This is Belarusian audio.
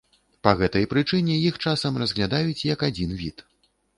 Па гэтай прычыне іх часам разглядаюць як адзін від.